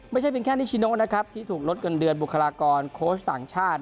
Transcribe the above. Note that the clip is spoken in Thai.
ไม่ใช่เป็นแค่นิชิโนนะครับที่ถูกลดเงินเดือนบุคลากรโค้ชต่างชาติ